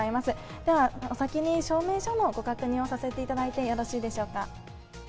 ではお先に証明書のご確認をさせていただいてよろしいでしょうか。